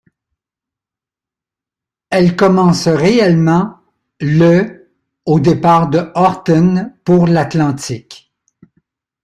Elle commence réellement le au départ de Horten pour l'Atlantique.